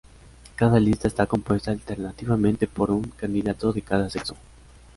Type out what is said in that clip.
Cada lista está compuesta alternativamente por un candidato de cada sexo.